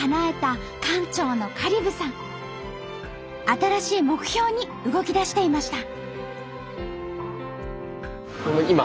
新しい目標に動きだしていました。